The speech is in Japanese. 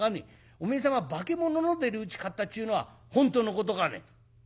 おめえ様化物の出るうち買ったっちゅうのは本当のことかね？」。